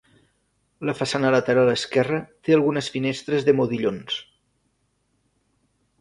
La façana lateral esquerra té algunes finestres de modillons.